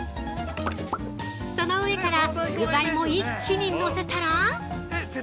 その上から具材も一気にのせたら◆